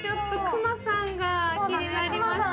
熊さんが気になります。